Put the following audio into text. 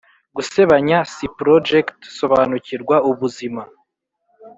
Gusebanya siproject sobanukirwa ubuzima